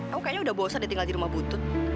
aku kayaknya udah bosan deh tinggal di rumah butut